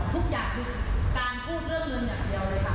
ทุกอย่างคือการพูดเรื่องเงินอย่างเดียวเลยค่ะ